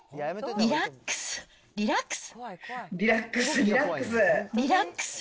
リラックス、リラックス。